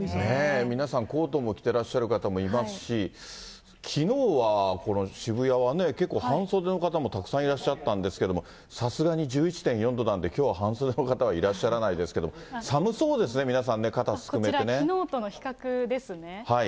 皆さんコートも着てらっしゃる方もいますし、きのうは渋谷は結構、半袖の方もたくさんいらっしゃったんですけれども、さすがに１１．４度なんで、きょうは半袖の方はいらっしゃらないですけれども、寒そうですね、こちら、きのうとの比較ですね。